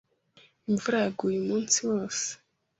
Imvura yaguye umunsi wose.